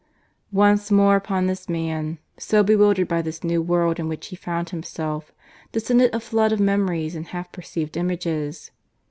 Once more upon this man, so bewildered by this new world in which he found himself, descended a flood of memories and half perceived images.